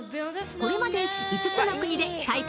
これまで５つの国で採点